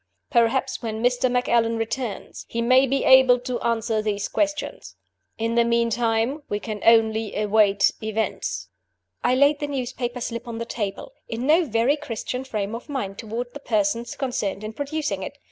Perhaps when Mr. Macallan returns, he may be able to answer these questions. In the meantime we can only await events." I laid the newspaper slip on the table, in no very Christian frame of mind toward the persons concerned in producing it.